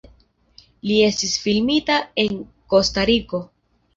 Li estis filmita en Kostariko.